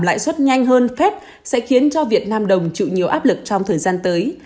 lãi suất nhanh hơn phép sẽ khiến cho việt nam đồng chịu nhiều áp lực trong thời gian tới